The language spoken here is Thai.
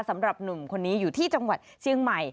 สำหรับหนุ่มคนนี้อยู่ที่จังหวัดเชียงใหม่